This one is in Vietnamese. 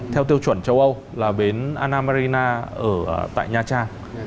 theo tiêu chuẩn châu âu là bến anna marina ở tại nha trang